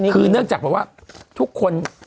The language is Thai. คือเนื่องจากแบบว่าทุกคน